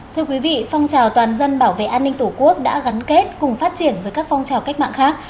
thưa quý vị phong trào toàn dân bảo vệ an ninh tổ quốc đã gắn kết cùng phát triển với các phong trào cách mạng khác